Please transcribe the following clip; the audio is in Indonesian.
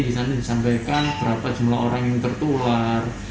di sana disampaikan berapa jumlah orang yang tertular